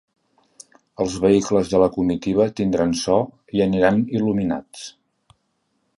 Els vehicles de la comitiva tindran so i aniran il·luminats.